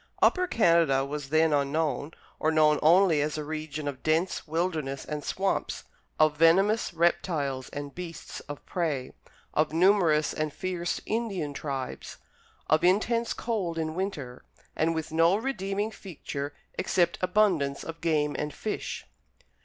Upper Canada was then unknown, or known only as a region of dense wilderness and swamps; of venomous reptiles and beasts of prey; of numerous and fierce Indian tribes; of intense cold in winter; and with no redeeming feature except abundance of game and fish.